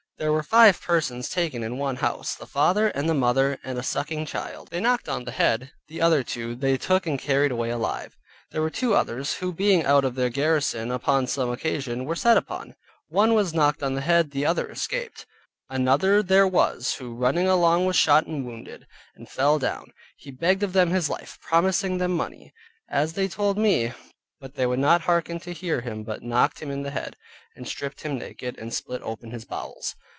There were five persons taken in one house; the father, and the mother and a sucking child, they knocked on the head; the other two they took and carried away alive. There were two others, who being out of their garrison upon some occasion were set upon; one was knocked on the head, the other escaped; another there was who running along was shot and wounded, and fell down; he begged of them his life, promising them money (as they told me) but they would not hearken to him but knocked him in head, and stripped him naked, and split open his bowels.